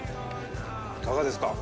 いかがですか？